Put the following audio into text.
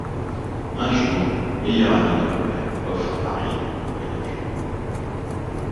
Un jour, le meilleur ami de leur père offre à Reed un voyage.